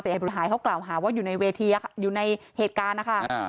แต่บุตรหายเขากล่าวหาว่าอยู่ในเวทีอยู่ในเหตุการณ์นะคะ